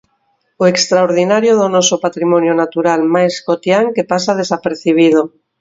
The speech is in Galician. O extraordinario do noso patrimonio natural máis cotián que pasa desapercibido.